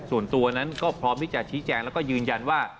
ส่วนตัวนั้นก็พร้อมที่จะชี้แจงแล้วก็ยืนยันว่า